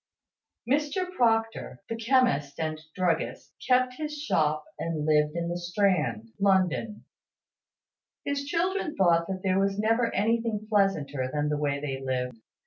Mr Proctor, the chemist and druggist, kept his shop, and lived in the Strand, London. His children thought that there was never anything pleasanter than the way they lived.